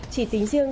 chỉ tính riêng